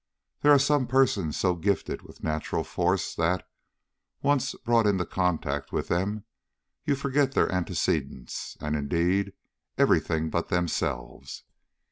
There are some persons so gifted with natural force that, once brought in contact with them, you forget their antecedents, and, indeed, every thing but themselves.